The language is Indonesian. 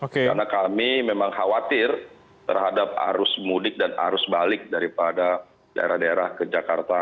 karena kami memang khawatir terhadap arus mudik dan arus balik daripada daerah daerah ke jakarta